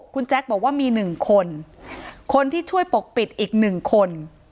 คุณแจ๊คบอกว่ามีหนึ่งคนคนที่ช่วยปกปิดอีกหนึ่งคน